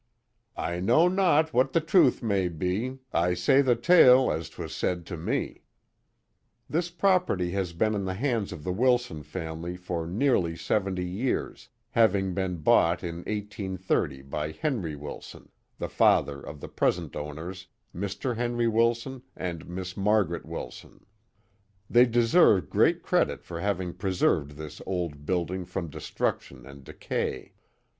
" I know not what the truth may be, I say the tale as 't was said to me. " The Famous Butler Mansion 191 This property has been in the hands of the Wilson family for nearly seventy years, having been boug:ht in 1830 by Henry Wilson, the father of the present owners, Mr, Henry Wilson and Miss Mar garet Wilson, They deserve great credit for having preserved this old building from destruction and decay.